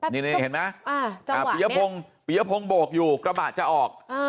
นี่เห็นมั้ยปียพงโบกอยู่กระบะจะออก